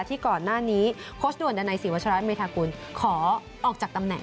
ที่ก่อนหน้านี้โค้ชด่วนดันัยศรีวัชราเมธากุลขอออกจากตำแหน่ง